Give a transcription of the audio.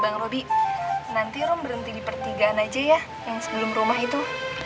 bang roby nanti rom berhenti di pertigaan aja ya yang sebelum rumah itu